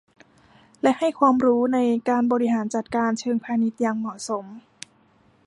และให้ความรู้ในการบริหารจัดการเชิงพาณิชย์อย่างเหมาะสม